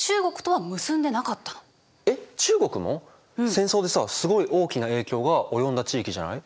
戦争でさすごい大きな影響が及んだ地域じゃない？